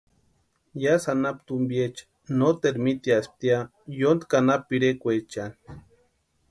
Yásï anapu tumpiecha noteru miteaspti ya yóntki anapu pirekwaechani.